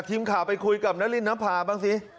ทีมข่าวไปคุยกับนารินน้ำพาบ้างสิ